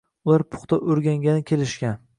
Ular puxta o‘rgangani kelishgan.